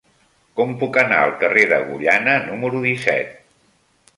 Com puc anar al carrer d'Agullana número disset?